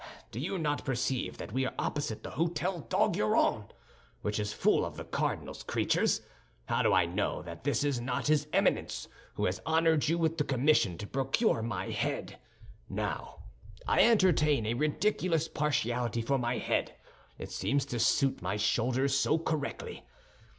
Do you not perceive that we are opposite the Hôtel d'Arguillon, which is full of the cardinal's creatures? How do I know that this is not his Eminence who has honored you with the commission to procure my head? Now, I entertain a ridiculous partiality for my head, it seems to suit my shoulders so correctly.